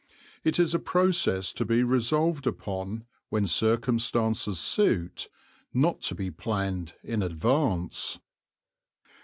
It is a process to be resolved upon when circumstances suit, not to be planned in advance.